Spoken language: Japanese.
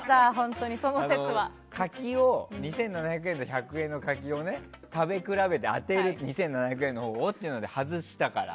柿を、２７００円と１００円のを食べ比べて当てる、２７００円のほうをっていうので外しましたから。